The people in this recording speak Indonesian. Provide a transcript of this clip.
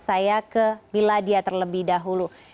saya ke miladia terlebih dahulu